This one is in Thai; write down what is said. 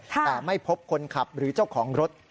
แต่ไม่พบคนขับหรือเจ้าของรถ